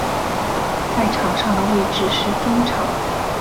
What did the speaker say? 在场上的位置是中场。